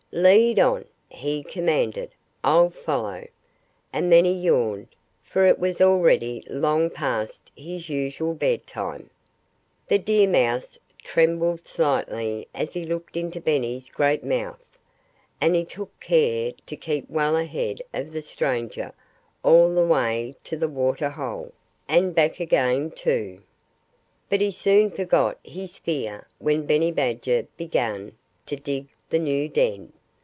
"Lead on!" he commanded. "I'll follow." And then he yawned for it was already long past his usual bedtime. The deer mouse trembled slightly as he looked into Benny's great mouth. And he took care to keep well ahead of the stranger all the way to the water hole, and back again, too. But he soon forgot his fear when Benny Badger began to dig the new den.